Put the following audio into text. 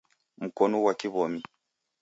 Mkonu ghwa kiw'omi